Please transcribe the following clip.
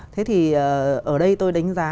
thế thì ở đây tôi đánh giá